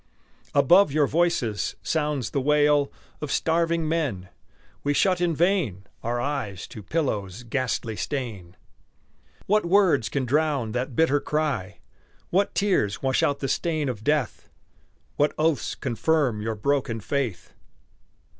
Above your voices sounds the wail Of starving men; we shut in vain Our eyes to Pillow's ghastly stain. What words can drown that bitter cry? What tears wash out the stain of death? What oaths confirm your broken faith?